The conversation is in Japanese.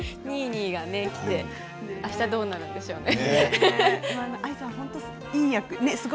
ニーニーが、あしたどうなるんでしょうね。